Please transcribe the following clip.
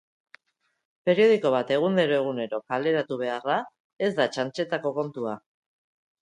Periodiko bat egunero-egunero kaleratu beharra ez da txantxetako kontua.